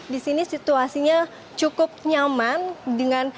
di sini situasinya cukup nyaman dengan